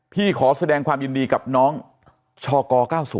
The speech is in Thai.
ขอแสดงความยินดีกับน้องชก๙๐